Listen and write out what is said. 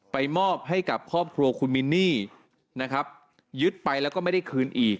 มอบให้กับครอบครัวคุณมินนี่นะครับยึดไปแล้วก็ไม่ได้คืนอีก